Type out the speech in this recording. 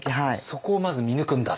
そこをまず見抜くんだと。